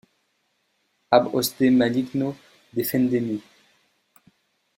Ab hoste maligno defende me.